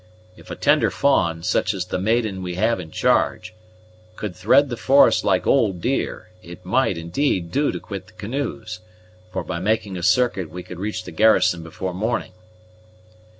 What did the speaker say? If a tender fa'n, such as the maiden we have in charge, could thread the forest like old deer, it might, indeed, do to quit the canoes; for by making a circuit we could reach the garrison before morning."